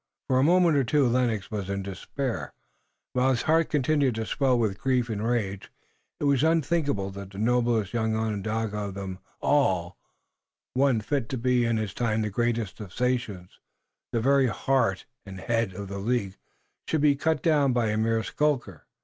For a moment or two Lennox was in despair, while his heart continued to swell with grief and rage. It was unthinkable that the noblest young Onondaga of them all, one fit to be in his time the greatest of sachems, the very head and heart of the League, should be cut down by a mere skulker.